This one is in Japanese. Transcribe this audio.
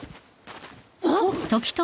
あっ！？